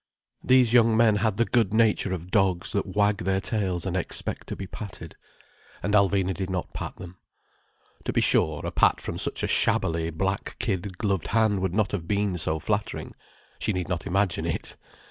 These young men had the good nature of dogs that wag their tails and expect to be patted. And Alvina did not pat them. To be sure, a pat from such a shabbily black kid gloved hand would not have been so flattering—she need not imagine it!